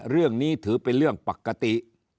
เรื่องนี้ถือเป็นเรื่องปกติ